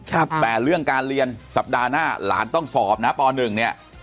แต่เรื่องการเรียนสัปดาห์หน้าหลานต้องสอบนะป๑เนี่ย